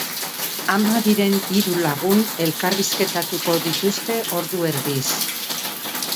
Ama diren hiru lagun elkarrizketatuko dituzte ordu erdiz.